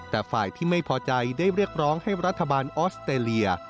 แต่ฝ่ายที่ไม่พอใจได้เรียกร้องให้รัฐบาลออสเตรเลีย